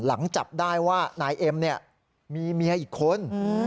หลังจับได้ว่านายเอ็มมีเมียอีกคน